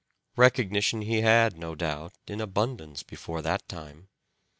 Recognition he had, no doubt, in abundance before that time.